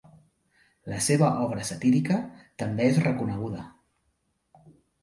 La seva obra satírica també és reconeguda.